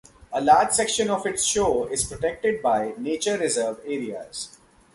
A large section of its shore is protected by nature reserve areas.